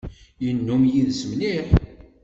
Yennum yid-s mliḥ.